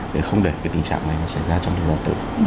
để không để cái tình trạng này xảy ra trong đường đoạn tự